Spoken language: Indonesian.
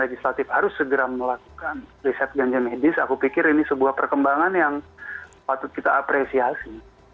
legislatif harus segera melakukan riset ganja medis aku pikir ini sebuah perkembangan yang patut kita apresiasi